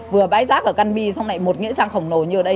vừa bãi rác ở căn bi xong lại một nghĩa trang khổng lồ như ở đây